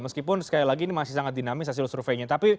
meskipun sekali lagi ini masih sangat dinamis hasil surveinya